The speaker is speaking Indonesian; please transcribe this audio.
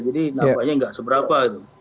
jadi nampaknya nggak seberapa gitu